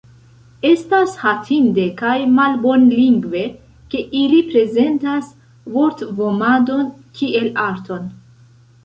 Estas hatinde kaj malbonlingve, ke ili prezentas vortvomadon kiel arton.